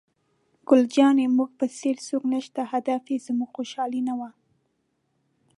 ګل جانې: زموږ په څېر څوک نشته، هدف یې زموږ خوشحالي نه وه.